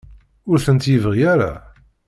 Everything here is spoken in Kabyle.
Ur tent-yebɣi ara?